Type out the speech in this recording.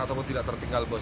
atau tidak tertinggal bus